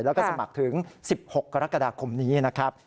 แล้วก็สมัครถึง๑๖กรกฎาคมนี้นะครับ